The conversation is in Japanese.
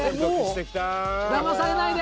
だまされないで！